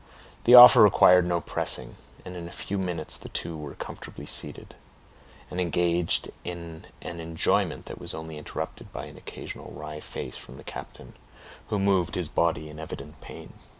The offer required no pressing, and in a few minutes the two were comfortably seated, and engaged in an employment that was only interrupted by an occasional wry face from the captain, who moved his body in evident pain.